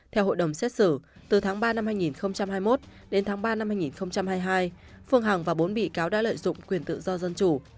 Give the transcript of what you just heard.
theo hội đồng xét xử từ tháng ba năm hai nghìn hai mươi một đến tháng ba năm hai nghìn hai mươi hai phương hằng và bốn bị cáo đã lợi dụng quyền tự do dân chủ